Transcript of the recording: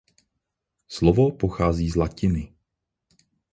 Slovo pochází z latiny.